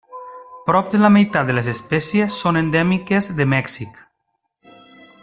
Prop de la meitat de les espècies són endèmiques de Mèxic.